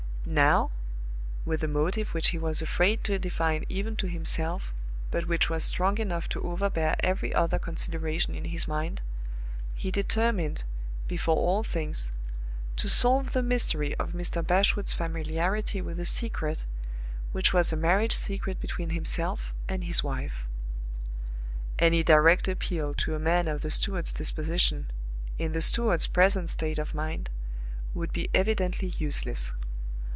Now (with a motive which he was afraid to define even to himself, but which was strong enough to overbear every other consideration in his mind) he determined, before all things, to solve the mystery of Mr. Bashwood's familiarity with a secret, which was a marriage secret between himself and his wife. Any direct appeal to a man of the steward's disposition, in the steward's present state of mind, would be evidently useless.